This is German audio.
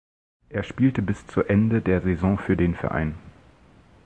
Er spielte bis zur Ende der Saison für den Verein.